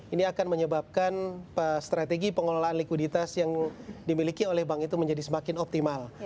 ini akan menyebabkan strategi pengelolaan likuiditas yang dimiliki oleh bank itu menjadi semakin optimal